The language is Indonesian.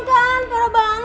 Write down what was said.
udah nganjar banget tuh orang